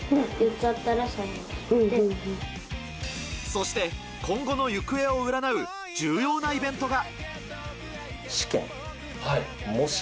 そして、今後の行方を占う重要なイベントが。